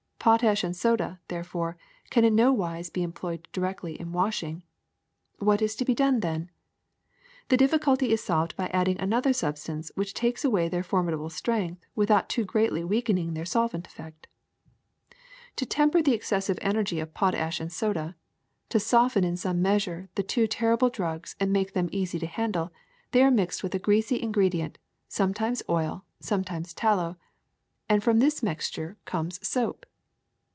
Pot ash and soda, therefore, can in no wise be employed directly in washing. What is to be done then ? The difficulty is solved by adding another substance which takes away their formidable strength without too greatly weakening their solvent effect. To tem per the excessive energy of potash and soda, to 102 THE SECRET OF EVERYDAY THINGS soften in some measure the two terrible drugs and make them easy to handle, they are mixed with a greasy ingredient, sometimes oil, sometimes tallow; and from this mixtures comes soap.